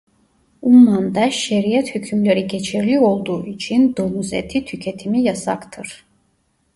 Umman'da şeriat hükümleri geçerli olduğu için domuz eti tüketimi yasaktır.